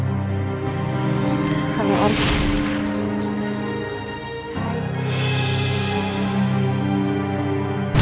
saat memiliki kekuatan yang berfungsi saat pemakainya di patok ular